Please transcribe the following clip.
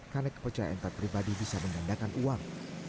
karena kepercayaan taat pribadi bisa mengendangkan uang